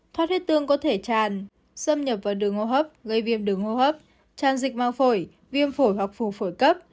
thoát huyết tương có thể tràn xâm nhập vào đường hô hấp gây viêm đường hô hấp tràn dịch mang phổi viêm phổi hoặc phù phổi cấp